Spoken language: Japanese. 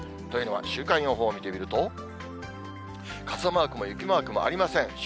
というのは、週間予報を見てみると、傘マークも雪マークもありません。